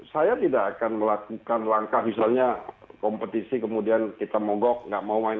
saya tidak akan melakukan langkah misalnya kompetisi kemudian kita mogok nggak mau main